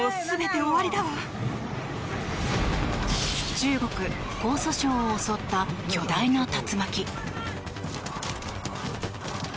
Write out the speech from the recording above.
中国・江蘇省を襲った巨大な竜巻。